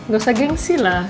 gak usah gengsi lah